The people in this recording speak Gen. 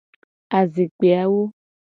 Azikpe awo.